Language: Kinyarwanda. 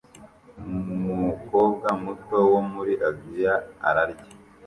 Umukobwa muto wo muri Aziya ararya